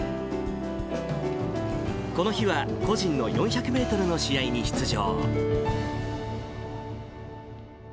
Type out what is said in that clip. この日は、個人の４００メートルの試合に出場。